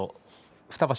２場所